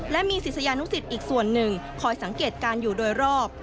และมีศิษยานุสิตอีกส่วนหนึ่งคอยสังเกตการณ์อยู่โดยรอบ